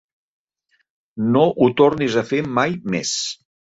No ho tornis a fer mai més.